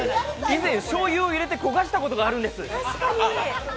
以前、しょうゆを入れて焦がしたことがあるんです。